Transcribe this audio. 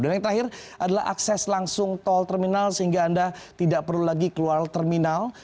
dan yang terakhir adalah akses langsung tol terminal sehingga anda tidak perlu lagi keluar terminal